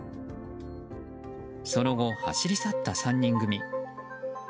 その後走り去った３人組。